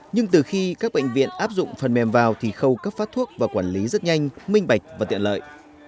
nhưng từ khi các bệnh viện áp dụng phần mềm vào thì khâu cấp phát thuốc và quản lý rất nhanh minh bạch và tiện lợi